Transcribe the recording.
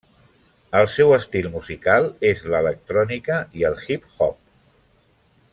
El seu estil musical és l'electrònica i el hip-hop.